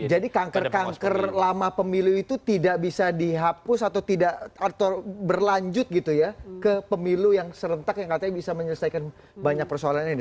jadi kanker kanker lama pemilu itu tidak bisa dihapus atau berlanjut gitu ya ke pemilu yang serentak yang katanya bisa menyelesaikan banyak persoalan ini